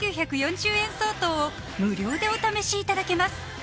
５９４０円相当を無料でお試しいただけます